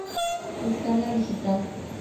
Descarga digital